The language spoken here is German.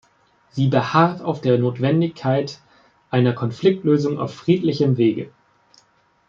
Sie beharrt auf der Notwendigkeit einer Konfliktlösung auf friedlichem Wege.